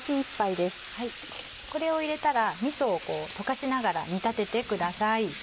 これを入れたらみそを溶かしながら煮立ててください。